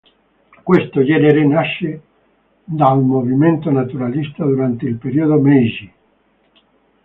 Questo genere nasce dal movimento naturalista durante il periodo Meiji.